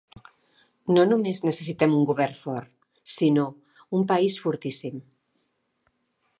No només necessitem un govern fort, sinó un país fortíssim.